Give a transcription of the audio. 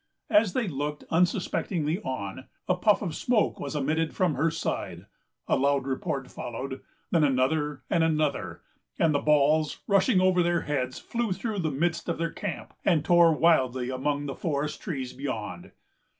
As they looked unsuspectingly on, a puff of smoke was emitted from her side; a loud report followed; then another and another; and the balls, rushing over their heads, flew through the midst of their camp, and tore wildly among the forest trees beyond.